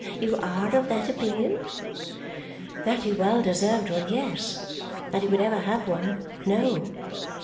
You are of that opinion?" That he well deserved one, yes. That he would ever have one, no.